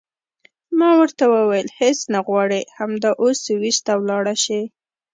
ما ورته وویل هېڅ نه غواړې همدا اوس سویس ته ولاړه شې.